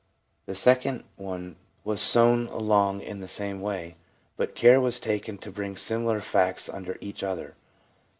The second one was sown along in the same way, but care was taken to bring similar facts under each other.